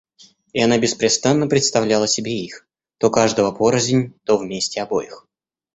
И она беспрестанно представляла себе их, то каждого порознь, то вместе обоих.